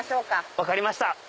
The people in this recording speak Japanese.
分かりました。